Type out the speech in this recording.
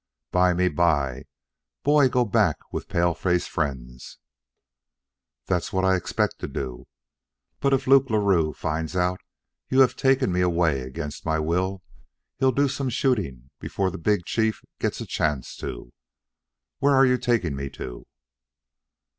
"Bymeby, boy go back with paleface friends." "That's what I expect to do. But if Luke Larue finds out you have taken me away against my will, he'll do some shooting before the big chief gets a chance to. Where are you taking me to?"